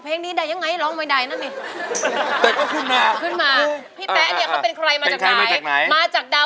เพลงนี้อยู่ในอาราบัมชุดแรกของคุณแจ็คเลยนะครับ